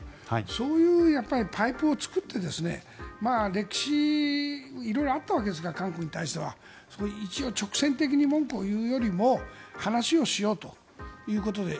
そういうパイプを作って歴史が色々あったわけですが韓国に対しては。一応、直線的に文句を言うよりも話をしようということで。